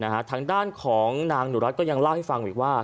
ทางด้านของนางหนูรัฐก็ยังเล่าให้ฟังอีกว่า